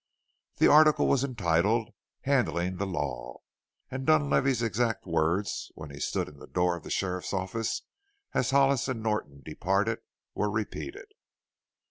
The article was entitled: "Handling the Law," and Dunlavey's exact words when he stood in the door of the sheriff's office as Hollis and Norton departed were repeated.